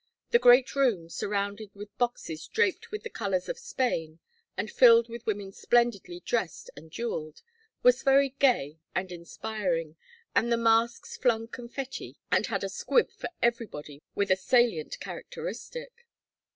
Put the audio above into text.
The great room, surrounded with boxes draped with the colors of Spain and filled with women splendidly dressed and jewelled, was very gay and inspiring, and the masques flung confetti and had a squib for everybody with a salient characteristic.